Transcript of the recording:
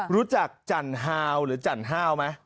รู้จักจันฮาวหรือจันฮาวไหม